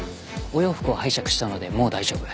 お洋服を拝借したのでもう大丈夫。